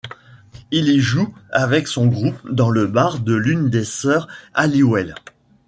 Il y joue avec son groupe dans le bar de l'une des sœurs Halliwell.